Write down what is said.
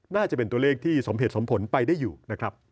น่าจะเป็นตัวเลขที่สมเหตุสมผลไปได้อยู่นะครับ